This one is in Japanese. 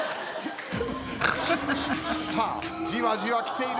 さあじわじわきている。